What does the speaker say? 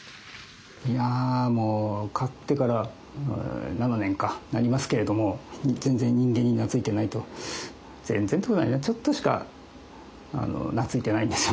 いやもう飼ってから７年かなりますけれども全然人間に懐いてないと全然ってことないねちょっとしか懐いてないんですよ